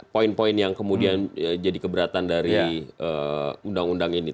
poin poin yang kemudian jadi keberatan dari undang undang ini